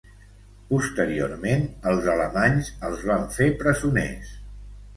Posteriorment, els alemanys els van fer presoners.